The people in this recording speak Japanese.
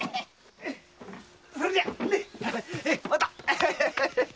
それじゃまた。